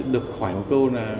được khỏi một câu